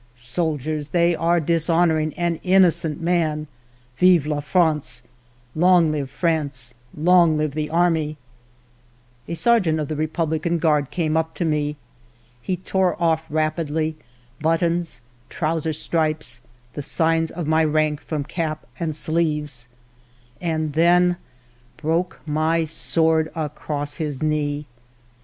Soldiers, they are dishonoring an innocent man. Vive la France, vive Tarmee !" A Sergeant of the Republican Guard came up to me. He tore off rapidly buttons, trousers stripes, the signs of my rank from cap and ALFRED DREYFUS 51 sleeves, and then broke my sword across his knee.